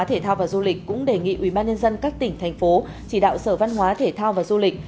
thể thao và du lịch cũng đề nghị ubnd các tỉnh thành phố chỉ đạo sở văn hóa thể thao và du lịch